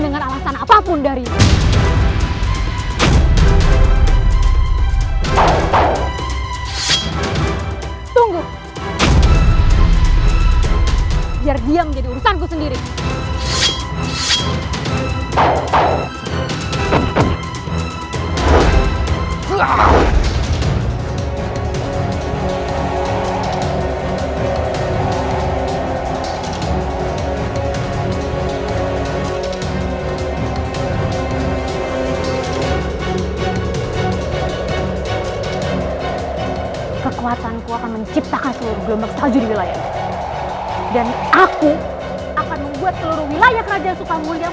dan aku akan membuat seluruh wilayah kerajaan sukamun yang menjadi lautan salju